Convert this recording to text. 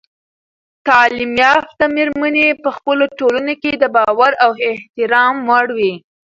تعلیم یافته میرمنې په خپلو ټولنو کې د باور او احترام وړ وي.